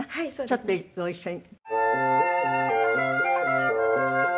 ちょっとご一緒に。